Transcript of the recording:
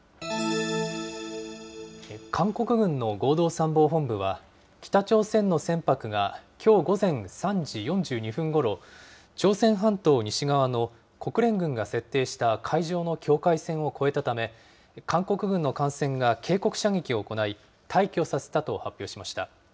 韓国軍の合同参謀本部は、北朝鮮の船舶がきょう午前３時４２分ごろ、朝鮮半島西側の国連軍が設定した海上の境界線を越えたため、韓国軍の艦船が警告射撃を行い、退去させたと発表しました。